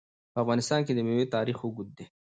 په افغانستان کې د مېوې تاریخ اوږد دی.